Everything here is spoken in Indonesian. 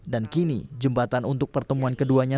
kini jembatan untuk pertemuan keduanya